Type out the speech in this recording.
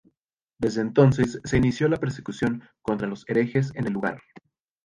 Desde entonces se inició la persecución contra los herejes en el lugar.